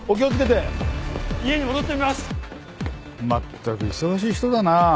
まったく忙しい人だなぁ。